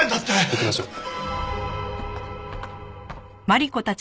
行きましょう。